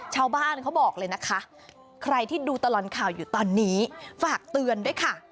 เขาบอกเลยนะคะใครที่ดูตลอดข่าวอยู่ตอนนี้ฝากเตือนด้วยค่ะ